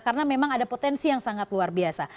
karena memang ada potensi yang sangat luar biasa